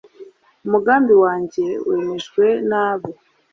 umugambi wanjye wemejwe nabo